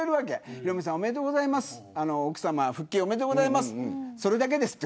ヒロミさんおめでとうございます奥さま復帰おめでとうございますそれだけですって。